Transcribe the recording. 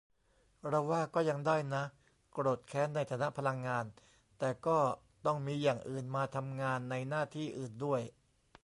เราว่าก็ยังได้นะ โกรธ แค้น ในฐานะพลังงาน แต่ก็ต้องมีอย่างอื่นมาทำงานในหน้าที่อื่นด้วย